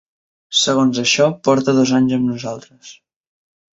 Segons això porta dos anys amb nosaltres.